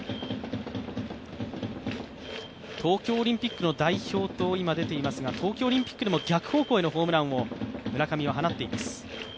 東京オリンピックの代表と今出ていますが東京オリンピックでも逆方向のホームランを村上は放っています。